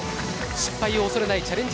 失敗を恐れないチャレンジ